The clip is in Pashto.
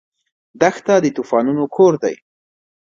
دښته د طوفانونو کور دی.